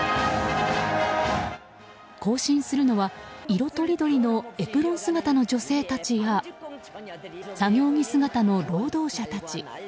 行進するのは色とりどりのエプロン姿の女性たちや作業着姿の労働者たち。